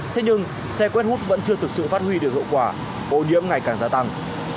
thế nhưng xe quét hút vẫn chưa thực sự phát huy được hiệu quả ô nhiễm ngày càng gia tăng